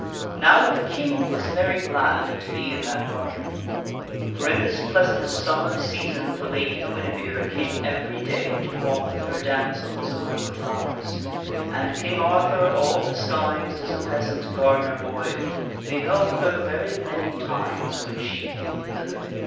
Now the King was very glad to be in that garden ; for in this pleasant summer season the Lady Guinevere came every day to walk King Arthur with her damsels among the flowers, and King Arthur, all d % e e % r as s boy disguised as a peasant gardener boy, beheld her very many atthecastu. times when she came thither.